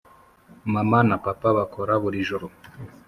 mama na papa bakora buri joro.